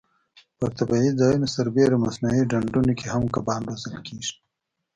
پر طبیعي ځایونو سربېره مصنوعي ډنډونو کې هم کبان روزل کېږي.